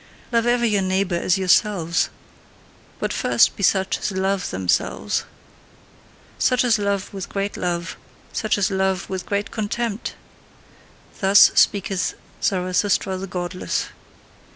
Love ever your neighbour as yourselves but first be such as LOVE THEMSELVES Such as love with great love, such as love with great contempt!" Thus speaketh Zarathustra the godless.